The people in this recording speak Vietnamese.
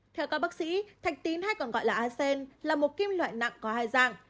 theo các bác sĩ thạch tín hay còn gọi là acen là một kim loại nặng có hai dạng